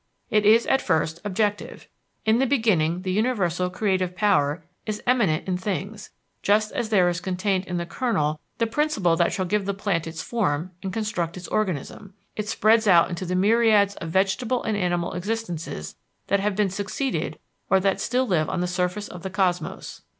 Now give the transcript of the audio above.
It is, at first, objective in the beginning the universal creative power is immanent in things, just as there is contained in the kernel the principle that shall give the plant its form and construct its organism; it spreads out into the myriads of vegetable and animal existences that have been succeeded or that still live on the surface of the Cosmos.